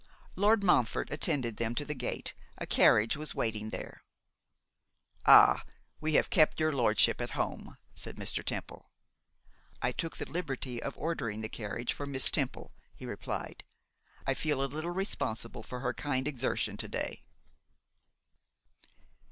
Lord Montfort attended them to the gate; a carriage was waiting there. 'Ah! we have kept your lordship at home,' said Mr. Temple. 'I took the liberty of ordering the carriage for Miss Temple,' he replied. 'I feel a little responsible for her kind exertion to day.